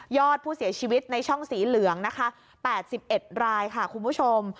อดผู้เสียชีวิตในช่องสีเหลืองนะคะ๘๑รายค่ะคุณผู้ชม